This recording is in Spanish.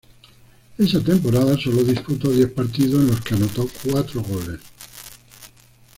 Esa temporada sólo disputó diez partidos, en los que anotó cuatro goles.